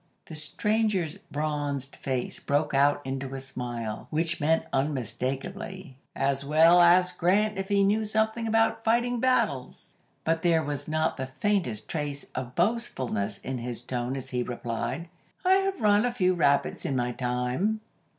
The stranger's bronzed face broke out into a smile, which meant unmistakably, "As well ask Grant if he knew something about fighting battles;" but there was not the faintest trace of boastfulness in his tone as he replied, "I have run a few rapids in my time."